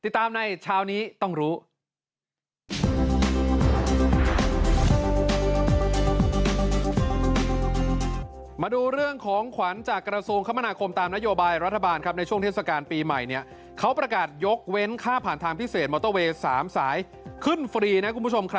ติดตามในเช้านี้ต้องรู้